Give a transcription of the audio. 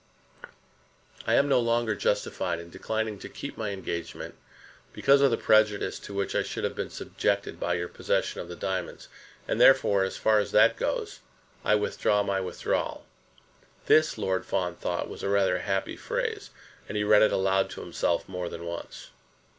I am no longer justified in declining to keep my engagement because of the prejudice to which I should have been subjected by your possession of the diamonds; and, therefore, as far as that goes, I withdraw my withdrawal. [This Lord Fawn thought was rather a happy phrase, and he read it aloud to himself more than once.